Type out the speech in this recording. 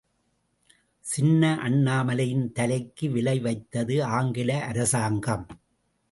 சின்ன அண்ணாமலையின் தலைக்கு விலை வைத்தது ஆங்கில அரசாங்கம்.